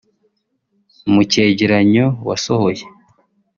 Mu cyegeranyo wasohoye